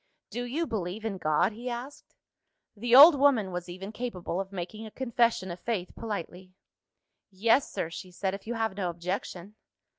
"Do you believe in God?" he asked. The old woman was even capable of making a confession of faith politely. "Yes, sir," she said, "if you have no objection."